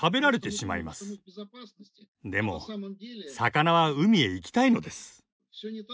でも魚は海へ行きたいのです。